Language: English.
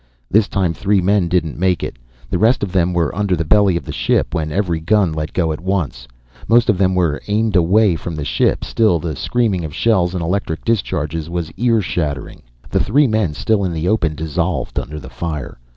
This time three men didn't make it. The rest of them were under the belly of the ship when every gun let go at once. Most of them were aimed away from the ship, still the scream of shells and electric discharges was ear shattering. The three men still in the open dissolved under the fire.